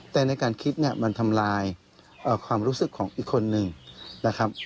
แต่ในการคิดเนี่ยมันทำลายความรู้สึกของอีกคนนึงนะครับ